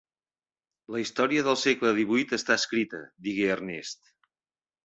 La història del segle divuit està escrita, digué Ernest.